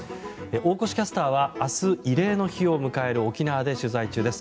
大越キャスターは明日、慰霊の日を迎える沖縄で取材中です。